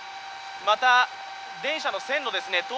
また、電車の線路ですね